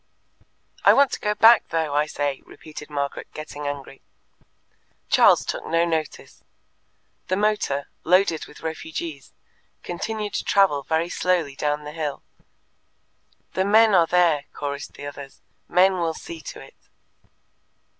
"I want to go back, though, I say!" repeated Margaret, getting angry. Charles took no notice. The motor, loaded with refugees, continued to travel very slowly down the hill. "The men are there," chorused the others. "Men will see to it."